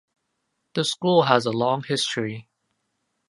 The school has a long history.